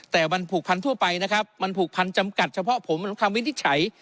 แต่มันผูกพันทั่วไปนะครับมันผูกพันจำกัดเฉพาะผมคำวินิจฉัย